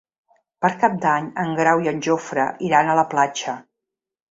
Per Cap d'Any en Grau i en Jofre iran a la platja.